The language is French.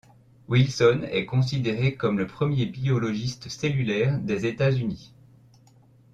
Wilson est considéré comme le premier biologiste cellulaire des États-Unis.